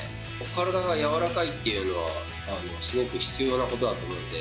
体が柔らかいっていうのは、すごく必要なことだと思うんで、